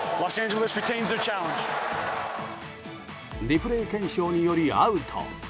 リプレイ検証によりアウト。